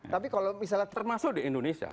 tapi kalau misalnya termasuk di indonesia